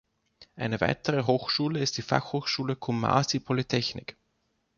Eine weitere Hochschule ist die Fachhochschule Kumasi Polytechnic.